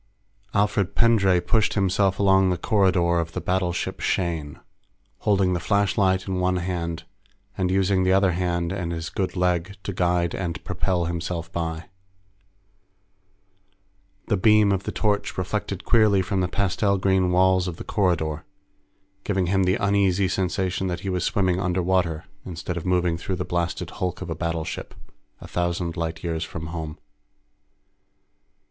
_ Alfred Pendray pushed himself along the corridor of the battleship Shane, holding the flashlight in one hand and using the other hand and his good leg to guide and propel himself by. The beam of the torch reflected queerly from the pastel green walls of the corridor, giving him the uneasy sensation that he was swimming underwater instead of moving through the blasted hulk of a battleship, a thousand light years from home.